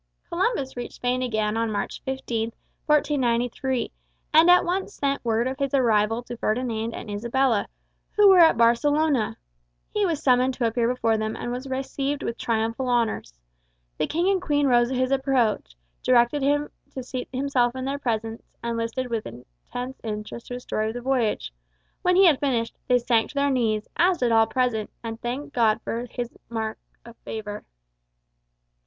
Columbus reached Spain again on March 15, 1493, and at once sent word of his arrival to Ferdinand and Isabella, who were at Barcelona. He was summoned to appear before them and was received with triumphal honors. The King and Queen arose at his approach, directed him to seat himself in their presence, and listened with intense interest to his story of the voyage. When he had finished, they sank to their knees, as did all present, and thanked God for this mark of his favor.